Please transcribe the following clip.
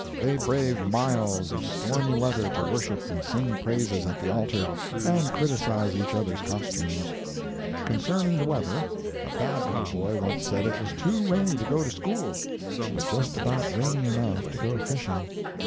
They brave miles of stormy weather to worship and sing praises at the altar, and criticise each other's costumes. Concerning the weather, a bad little boy once said it was too rainy to go to school, but just about rainy enough to go fishing.